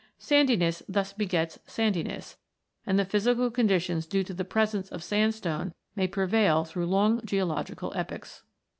Sandiness thus begets sandiness, and the physical conditions due to the presence of sandstone may pre vail through long geological epochs (Fig.